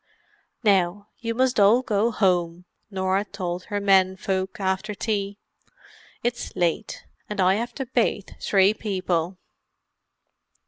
"Now, you must all go home," Norah told her men folk, after tea. "It's late, and I have to bath three people."